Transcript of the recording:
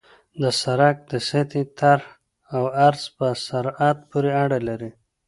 د سرک د سطحې طرح او عرض په سرعت پورې اړه لري